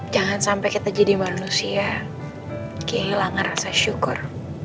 jangan sampai kita jadi manusia kehilangan rasa syukur